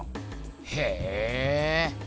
へえ。